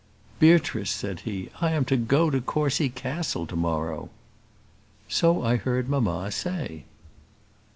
"Beatrice," said he, "I am to go to Courcy Castle to morrow." "So I heard mamma say."